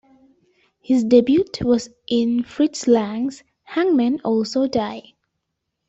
His debut was in Fritz Lang's Hangmen Also Die!